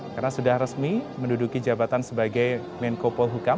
karena sudah resmi menduduki jabatan sebagai menko pohukam